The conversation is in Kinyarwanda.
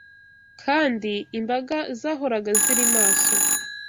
kandi imbaga zahoraga ziri maso